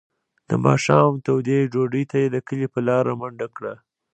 د ماښام تودې ډوډۍ ته یې د کلي په لاره منډه کړه.